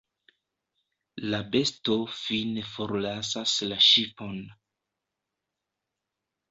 La besto fine forlasas la ŝipon.